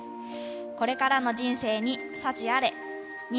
これからの人生に幸あれ。